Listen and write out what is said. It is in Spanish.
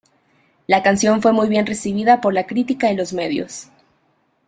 La canción fue muy bien recibida por la crítica y los medios.